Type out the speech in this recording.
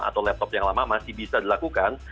atau laptop yang lama masih bisa dilakukan